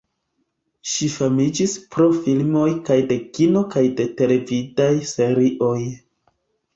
Ŝi famiĝis pro filmoj kaj de kino kaj de televidaj serioj.